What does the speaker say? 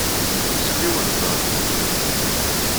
Sel i unẓar.